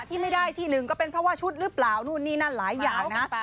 ที่ไม่ได้ที่หนึ่งก็เป็นเพราะว่าชุดหรือเปล่านู่นนี่นั่นหลายอย่างนะ